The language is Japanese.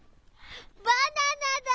バナナだ！